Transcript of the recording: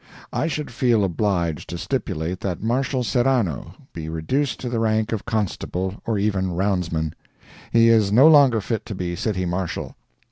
I should feel obliged to stipulate that Marshal Serrano be reduced to the rank of constable, or even roundsman. He is no longer fit to be City Marshal.